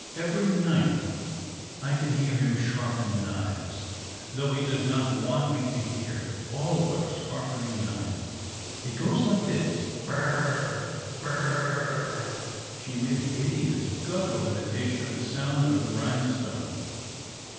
Every night I can hear him sharpen knives, though he does not want me to hear. Always sharpening knives. It goes like this — b r r r r — b r r r r." She made a hideous guttural imitation of the sound of a grindstone.